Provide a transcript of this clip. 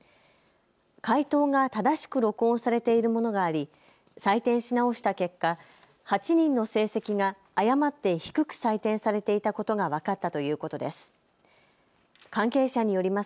解答が正しく録音されているものがあり採点し直した結果、８人の成績が誤って低く採点されていたことが分かったということです。